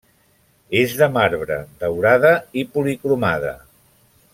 És de marbre, daurada i policromada.